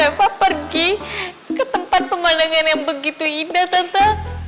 kemarin boy sama reva pergi ke tempat pemandangan yang begitu indah tante